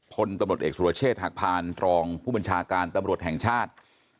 พลตำรวจเอกสุรเชษฐ์หักพานรองผู้บัญชาการตำรวจแห่งชาติ